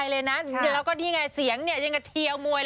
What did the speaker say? เราก็เลยเอ้ย